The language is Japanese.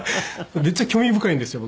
めっちゃ興味深いんですよ